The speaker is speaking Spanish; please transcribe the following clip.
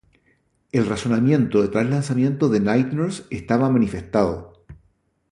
El razonamiento detrás del lanzamiento de Night Nurse estaba manifestado.